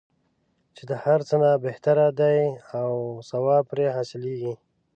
چې د هر څه نه بهتره دی او ثواب پرې حاصلیږي.